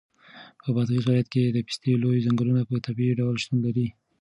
په بادغیس ولایت کې د پستې لوی ځنګلونه په طبیعي ډول شتون لري.